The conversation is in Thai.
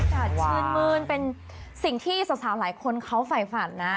อากาศชื่นมืนเป็นสิ่งที่สาวหลายคนเขาฝ่ายฝันนะ